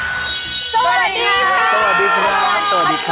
สวัสดีค่ะ